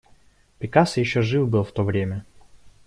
Пикассо еще жив был в то время!